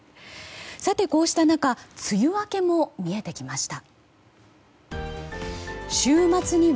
こうした中梅雨明けも見えてきました。